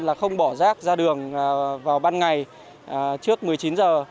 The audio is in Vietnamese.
là không bỏ rác ra đường vào ban ngày trước một mươi chín giờ